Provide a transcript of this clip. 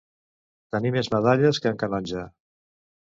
Tenir més medalles que en Canonge.